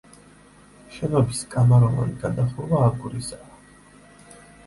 შენობის კამაროვანი გადახურვა აგურისაა.